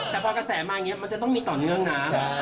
แต่พอกระแสมาอย่างนี้มันจะต้องมีต่อเนื่องนะ